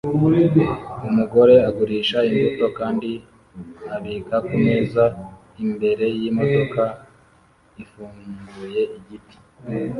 Umugore agurisha imbuto kandi abika kumeza imbere yimodoka ifunguye igiti